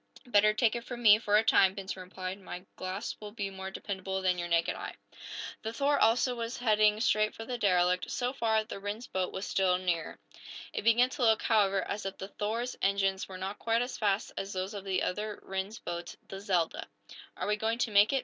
"Better take it from me for a time," Benson replied. "My glass will be more dependable than your naked eye." The "Thor," also, was heading straight for the derelict. So far, the Rhinds boat was still nearer. It began to look, however, as if the "Thor's" engines were not quite as fast as those of the other Rhinds boat, the "Zelda." "Are we going to make it?"